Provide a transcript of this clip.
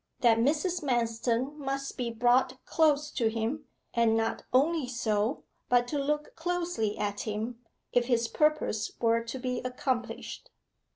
That Mrs. Manston must be brought close to him, and not only so, but to look closely at him, if his purpose were to be accomplished.